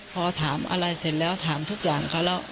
พอถามอะไรเสร็จแล้วถามทุกอย่างเขาแล้ว